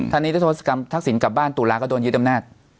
นิรโทษกรรมทักษิณกลับบ้านตุลาก็โดนยึดอำนาจ